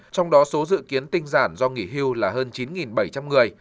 trong đó số dự kiến tinh giản do nghỉ hưu là hơn chín bảy trăm linh người